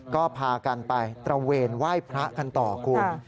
ก็พากันไปตระเวนไหว้พระกันต่อคุณ